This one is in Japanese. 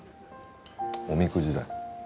おみくじだよ